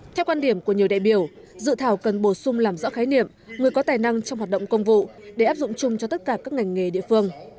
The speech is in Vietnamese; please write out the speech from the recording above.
theo quan điểm của nhiều đại biểu dự thảo cần bổ sung làm rõ khái niệm người có tài năng trong hoạt động công vụ để áp dụng chung cho tất cả các ngành nghề địa phương